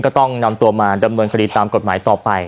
ก็ต้องนำตัวมาดำเนินคดีตามกฎหมายต่อไป